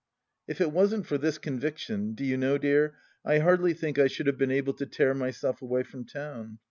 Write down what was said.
If it wasn't for this conviction, do you know, dear, I hardly think I should have been able to tear myself away from town.